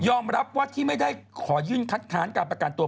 รับว่าที่ไม่ได้ขอยื่นคัดค้านการประกันตัว